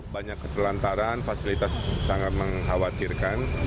banyak ketelantaran fasilitas sangat mengkhawatirkan